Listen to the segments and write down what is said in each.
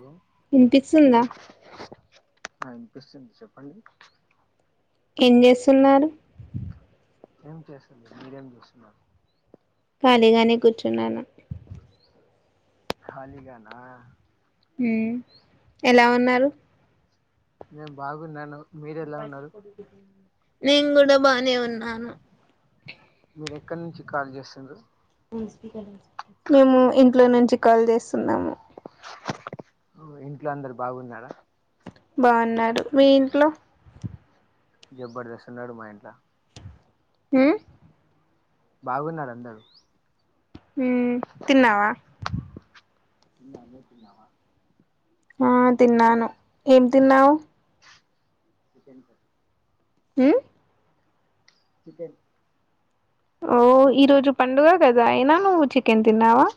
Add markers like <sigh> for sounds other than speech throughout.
hello వినిపిస్తుందా ఆ ఇనిపిస్తుంది చెప్పండి ఏం చేస్తున్నారు ఏం చేస్తున్నారు మీరేం చేస్తున్నారు ఖాళీగానే కూర్చున్నాను ఖాళీగానా ఉ ఎలా ఉన్నారు నేను బాగున్నాను మీరు ఇ ఎలా పటి ఉన్నారు కొడుకు నేను కూడా బానే ఉం న్నాను మీరు ఎక్కనుంచి కాల్ చేస్తున్నారు మేము ఇంట్లో నుంచి కాల్ చేస్తున్నాము ఇంట్లో అందరు బాగున్నారా బాగున్నారు మీ ఇంట్లో జబర్దస్త్ ఉన్నాడు మా ఇంట్లో ఊ.... బాగున్నారు అందరూ హు తిన్నావా మమ్ముతిన్నావా ఆ తిన్నాను ఏం తిన్నావ్ వి హ చికెన్ ఓ ఈరోజు పండుగ కదా అయినా నువ్వు చికెన్ తిన్నావా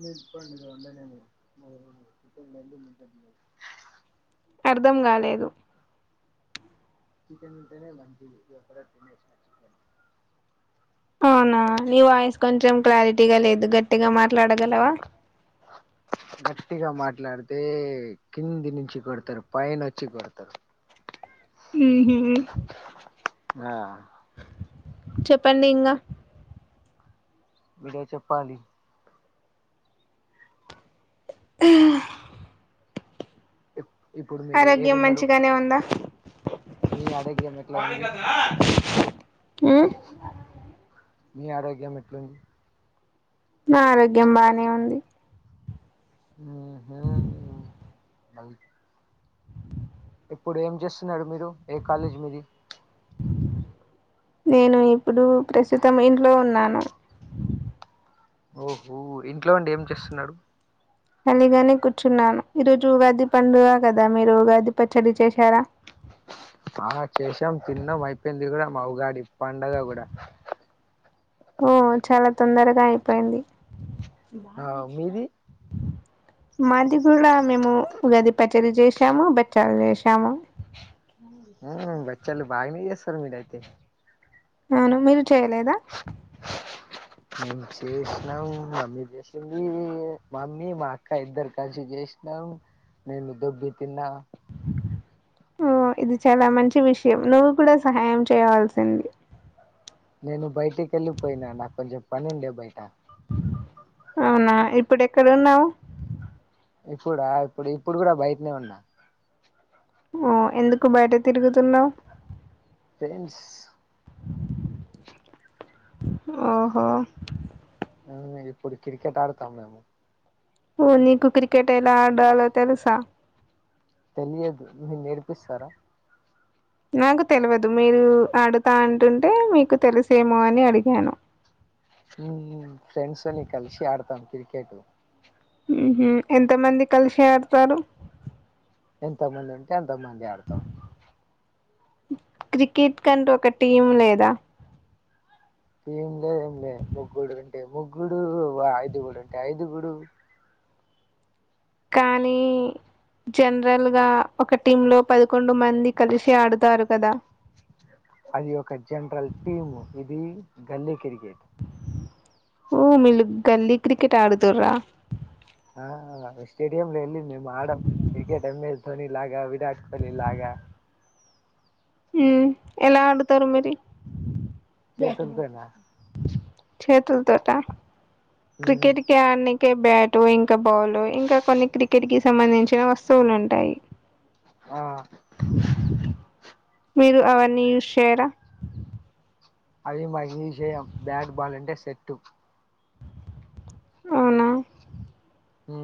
ని పం అనే మ అర్థం కాలేదు చికెన్ అంటెనే మంచిది ఇక్కడెక్కడ అవునా నీ వాయిస్ కొంచెం క్లారిటీగా లేదు అది గట్టిగా మాట్లాడగలవా గట్టిగా మాట్లాడితే కింది నుంచి కొడతారు పైన వచ్చి కొడతారు మ్ హు ఆ చెప్పండి ఇంకా మిరే చెప్పాలి హ్హ్ ఇప్ ఇప్పుడు మీరు ఆరోగ్యం ఏడున్నారు మంచిగానే ఉందా మీ ఆరోగ్యం ఎట్లా ఉంది హు మీ ఆరోగ్యం ఎట్లుంది నా ఆరోగ్యం బానే ఉంది ఉమ్ హు అవ్ ఇప్పుడు ఏం చేస్తున్నాడు మీరు ఏ కాలేజీ మీది నేన ఇప్పుడు ప్రస్తుతం ఇంట్లో ఉన్నాను ఓహో ఇంట్లో అండి ఏం చేస్తున్నారు కాలిగానే కూర్చున్నాను ఈరోజు ఉగాది పండుగ కదా మీరు ఉగాది పచ్చడి చేశారా ఆ చేసాం తిన్నాం అయిపోయింది కూడా మాఉగాది పండగ కూడా ఓ చాలా తొందరగా అయిపోయింది ఆ మీది <inaudible> మాది కూడా మేము ఉగాది పచ్చడి చేసాము బచ్చాలు చేసాము <inaudible> చల్ భాగ న సర మీదయితే అవును మీర్ చేయలేదా మేము చేసినాం మమ్మీ చేసింది మమ్మీ మా అక్క ఇద్దరు కలిసి చేసినాం నేను దొబ్బి తిన్నా ఓ ఇది చాలా మంచి విషయం నువ్వు కూడా సహాయం చేయవల్సింది నేను బయటికి వెళ్ళిపోయినా నాకు కొంచెం పనుండ్య బయట అవునా ఇప్పుడు ఎక్కడ ఉన్నావు ఇప్పుడా ఇప్పుడు కూడా బయటనే ఉన్నా ఓ ఎందుకు బయట తిరుగుతున్నావు్ ఫ్రెండ్స్ ఓహో ఆ ఇప్పుడు క్రికెట్ ఆడతాం మేము నీకు క్రికెట్ ఎలా ఆడాలో తెలుసా తెలియదు మీరు నేర్పిస్తారా నాకు తెల్వదు మీరు అడుతా అంటుంటే మీకు తెలిసేమో అని అడిగాను ఊ ఫ్రెండ్స్ని కలిసి ఆడతాం క్రికెట్ ఊహు ఎంత మంది కలిసి ఆడతారు ఎంత మంది ఉంటే ఎంత మంది ఆడతాం క్రికెట్ కంటే ఒక టీం లేదా టీం లేద్ ఏం లేద్ ముగ్గుడు ఉంటే ముగ్గుడు ఐదుగుడు ఉంటే ఐదుగుడు కానీ జనరల్ గా ఒక టీమ్ లో పదకొండు మంది కలిసి ఆడుతారు కదా అది ఒక జనరల్ టీము ఇది గల్లీ కీర్ కెట్ ఊ మిల్లు గల్లీ క్రికెట్ ఆడుతరా ఆ స్టేడియంమ్ లో ఎల్ ఆడ క్రికెట్ ఎం ఎస్ ధోని లాగా విరాట్ కోహ్లీ లాగా హ్మ్మ్ ఎలా అడుతారు మరి చేతుల్తోన చేతుల తోటా క్రికెట్కి అన్ని ఇంకే బ్యాటు ఇంకా బాల్ ఇంకా కొన్ని క్రికెట్ కి సంబంధించిన వస్తువులు ఉంటాయి ఆ మీరు అవన్నీ యూస్ చేయరా అది మాకు ఈ విషయం బ్యాట్ బాల్ అంటే సెట్టు అవునా హ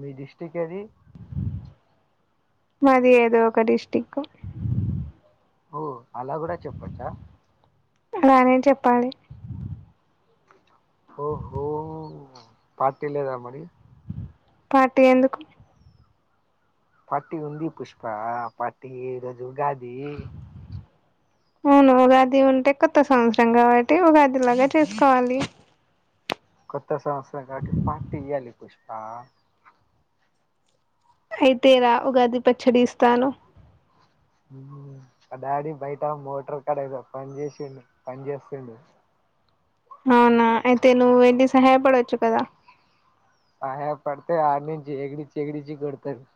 మీ దిష్టికి అది మాది ఏదో ఒక డిస్ట్రిక్ట్ ఓ అలా కూడా చెప్పచ్చా అలానేే చెప్పాలి ఓహ పార్టీ లేదా మరి పార్టీ ఎందుకు పార్టీ ఉంది పుష్ప పార్టీ ఈ రోజు ఉగాది అవును ఉగాది ఉంటే కొత్త సంవత్సరం కాబట్టి ఉగాదిలాగా చేసుకోవాలి కొత్త సంస కాటి పార్టీ ఇల పుష్పా అయితే రా ఉగాది పచ్చడి ఇస్తాను ఆ డాడీ బయట మోటార్ కడద పని చేసిండు పని చేస్తుండు అవునా అయితే నువ్వు ఏంటి సహాయపడవచ్చు కదా ఆహా పడతే ఆడి నుంచి ఏగడి చెగడించి కొడుతుంది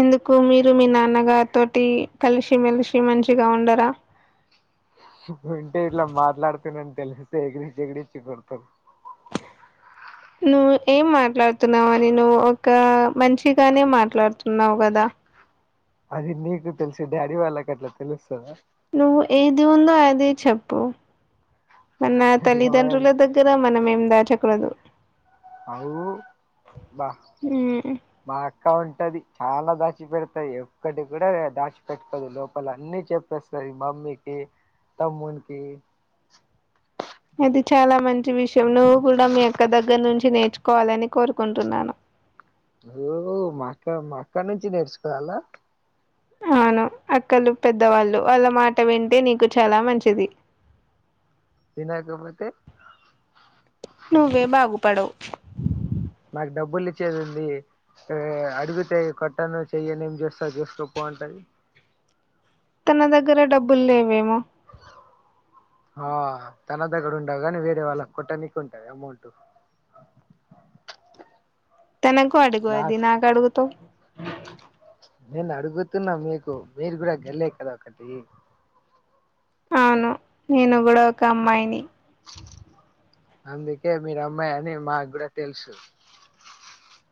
ఎందుకు మీరు మీ నాన్నగ తోటి కలిసిమెెలిసి మంచిగా ఉండరా ఉంటే ఇట్లా మాట్లాడుతునని తెలిస్తే ఎగిడిచ్చ ఎగడిచ్చి కొడతారు నువ్వు ఏం మాట్లాడుతున్నావు అని నువ్వు ఒక మంచిగానే మాట్లాడుతున్నావు కదా అది నీకు తెలుసు డాడీ వాళ్ళకి అట్లా తెలుస్తుందా నువ్వు ఏది ఉందో అది చెప్పు మన తల్లిదండ్రుల దగ్గర మనం అక్కదు అ వాహ్ ఉమ్ బా ఇకా ఉంటది చాలా దాచి పెడతాయి ఎక్కటి కూడా దాచిపెట్టుకోదు లోపల అన్ని చెప్పేస్తారు మమ్మీకి తమ్మునికి అది చాలా మంచి విషయం నువ్వు కూడా మీ యొక్క దగ్గర నుంచి నేర్చుకోవాలని కోరుకుంటున్నాను ఓ మా అక్క మా అక్కడి నుంచి నేర్చుకోవాలా అవును అక్కలు పెద్దవాళ్ళు వాళ్ళ మాట వింటే నీకు చాలా మంచిది వినకపోతే నువ్వే బాగుపడవు మాకు డబ్బులు ఇచ్చేది ఏంది అడుగితే కట్టను చెయ్యను ఏమి చెస్ట్స్తా చేసుకోపో అంటే తన దగ్గర డబ్బులు లేవేమో ఆ తన దగ్గర ఉండవు గానీ వేరే వాళ్ళ కొట్ట నీకు ఉంటాది అమౌంట్ తనకు అడుగుది నాకు అడుగుతో నేను అడుగుతున్నా మీకు మీరు కూడా గెల్లే కదా ఒకటి అవును నేను కూడా ఒక అమ్మాయిని అందుకే మీరు అమ్మాయి అని మాకు కూడా తెలుసు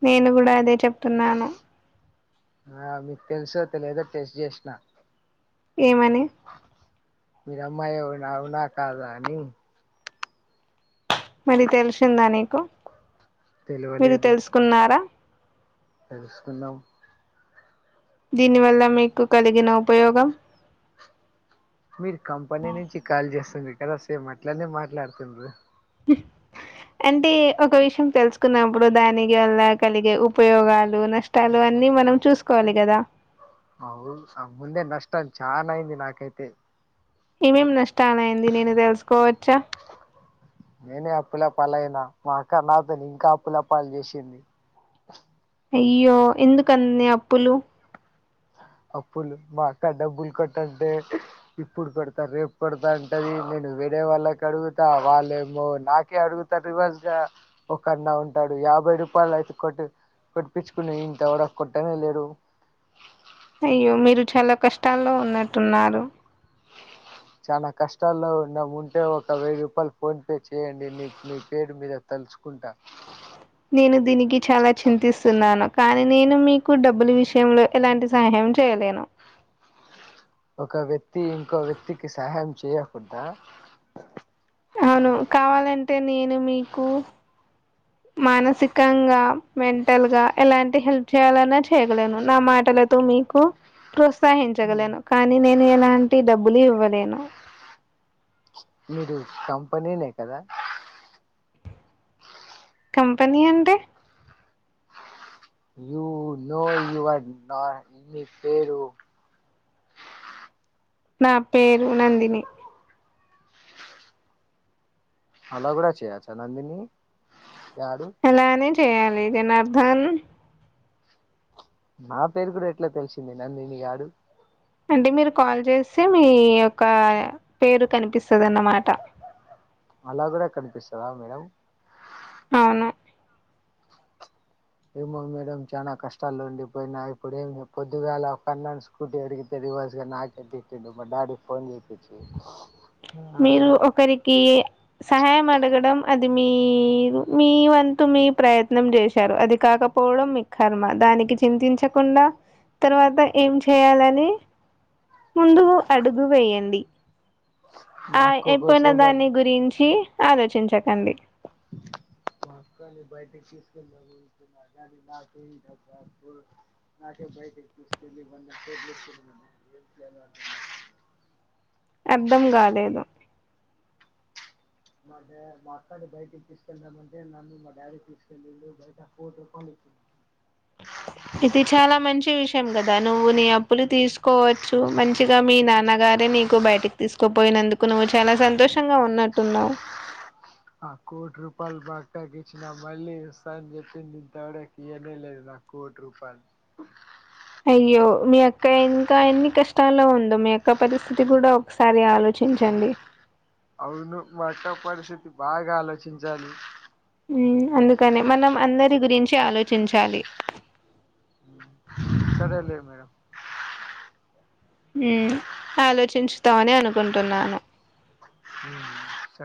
నేను కూడా అదే చెప్తున్నాను ఆ మీకు తెలుస తెలిదా టెస్ట్ చేసిన ఏమని మీర అమ్మాయి ఎవునావునా కాదా అని మరి తెలిసిందా నీకు మీరు తెలుసుకున్నారా తెలుసుకున్నాాం దీని వల్ల మీకు కలిగిన ఉపయోగం మీరు కంపెనీ నుంచి కాల్ చేస్తంది ఎద సే అట్లనే మాట్లాడున్నారు అంటే ఒక విషయం తెలుసుకున్నప్పుడు దానికి వల్ల కలిగే ఉపయోగాలు నష్టాలు అన్ని మనం చూసుకోవాలి కదా అవు ఆ ముందే నష్ట అం చనయింది నా నాకైతే ఏమేం నష్టాలయింది నేను తెలుసుకోవచ్చా నేనే అప్పుల పాలయినా మా అక్క నాతోని ఇంకా అప్పుల పాలు చేసింది అయ్యో ఎందుకు అన్ని అప్పులు అప్పులు మా అక్క డబ్బులు కొట్టంటే ఇప్పుడు కొడతా రేపు కొడతా అంటది నేను వేరే వాళ్ళకి అడుగుతా వాళ్ళేమో నాకే అడుగుతారు రివర్స్ ల ఒకన్నా ఉంటాడు యాభై రూపాయలు అయితే కొట్ కొట్పించుకునే ఇంత కూడా కొట్టనే లేదు అయ్యో మీరు చాలా కష్టాల్లో ఉన్నట్టున్నారు చానా కష్టాల్లో ఉన్నా ఉంటే ఒక వెయ్యి రూపాయలు ఫోన్ పే చేయండి నీ మీ పేరు మీద తలుచుకుంటా నేను దీనికి చాలా చింతిస్తున్నాను కానీ నేను మీకు డబ్బుల విషయంలో ఎలాంటి సహాయం చేయలేను ఒక వ్యక్తి ఇంకో వ్యక్తికి సహాయం చేయకుడద అవును కావాలంటే నేను మీకు మానసికంగా మెంటల్ గా ఎలాంటి హెల్ప్ చేయాలన్నా చేయగలేను నా మాటలతో మీకు ప్రోత్సహించగలను కానీ నేను ఎలాంటి డబ్బులు ఇవ్వలేను మీరు కంపెనీనే కదా కంపెనీ అంటే యూ నో యువర్ నా ఇ పేరు నా పేరు నందిని అలా కూడా చేయొచ్చా నందిని గాడు అలానే చెయాలి జనార్ధన్ <unintelligible> నా పేరు కూడా ఎట్లా తెలిసింది నందినీ గాడు అంటే మీరు కాల్ చేస్తే మీ యొక్క పేరు కనిపిస్తుందిన్నమాట అలా కూడా కనిపిస్తదా మేడం అవును ఏమో మేడం చాలా కష్టాల్లో ఉండిపోయినా ఇప్పుడు ఏం పొద్దుగాల కన్నా స్కూటీ అడిగితే రివర్స్గా నాకే తిట్డు మా డాడీ ఫోన్ చేప్పించి మీరు ఒకరికి సహాయం అడగడం అది మీరు మీ వంతు మీ ప్రయత్నం చేశారు అది కాకపోవడం మీ కర్మ దానికి చింతించకుండా తర్వాత ఏం చేయాలని ముందు అడుగు వేయండి మా ఆ అక్క అయిపోయిన కోసం దాన్ని గురించి ఆలోచించకండి <unintelligible> అర్ధం కాలేదు మా మా అక్కని బయటికి తీసుకెళ్దామంటే నన్ను మా డాడీకి తీసుకెళ్లిండు బయట కోటి రూపాయలు ఇచ్చి ఇది చాలా మంచి విషయం కదా నువ్వు నీ అప్పులు తీసుకోవచ్చు మంచిగా మీ నాన్నగారే నీకు బయటకి తీసుకోపోయినందుకు నువ్వు చాలా సంతోషంగా ఉన్నట్టున్నావు ఆ కోటి రూపాల్ మా అక్కకి ఇచ్చిన మళ్ళీ ఇస్తాను అని చెప్పింది ఇంత వరకు ఇయనే లేదు నా కోటి రూపాల్ అయ్యో మీ అక్క ఇంకా ఎన్ని కష్టాల్లో ఉందో మీ అక్క పరిస్థితి కూడా ఒకసారి ఆలోచించండి అవును మా అక్క పరిస్థితి బాగా ఆలోచించాలి ఉ అందుకని మనం అందరి గురించి ఆలోచించాలి సరే లే మేడం ఉ ఆలోచించుతావని అనుకుంటున్నాను ఉ సరే